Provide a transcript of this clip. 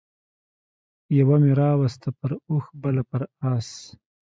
يوه مې راوسته پر اوښ بله پر اس